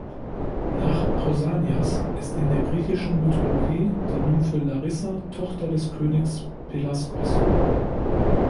Nach Pausanias ist in der Griechischen Mythologie die Nymphe Larissa Tochter des Königs Pelasgos.